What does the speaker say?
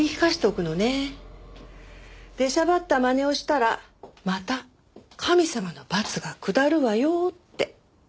出しゃばったまねをしたらまた神様の罰が下るわよって。